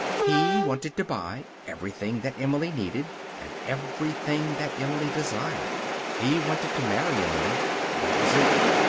He wanted to buy everything that Emily needed, and everything that Emily desired. He wanted to marry Emily. That was it.